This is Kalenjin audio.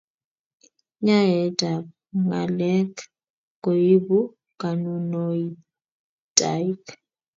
Nyaet ab ngalek koibu kanunoitaik